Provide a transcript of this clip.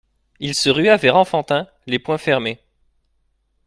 Il se rua vers Enfantin, les poings fermés.